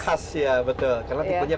khas ya betul karena tipenya